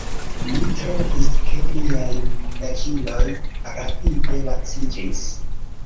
Mi trovis ke miaj naĝiloj rapide laciĝis.